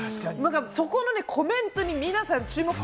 そこのコメントに皆さん注目した。